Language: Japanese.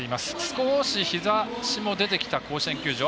少し日ざしも出てきた甲子園球場。